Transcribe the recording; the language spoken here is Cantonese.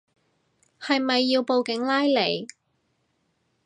係咪要報警拉你